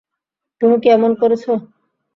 তুমি কী এমন করেছো?